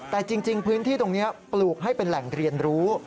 แต่จริงพื้นที่ตรงนี้ปลูกให้เป็นแหล่งเรียนรู้